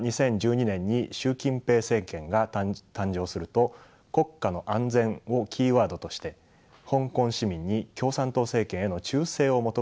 ２０１２年に習近平政権が誕生すると「国家の安全」をキーワードとして香港市民に共産党政権への忠誠を求める方針を強めました。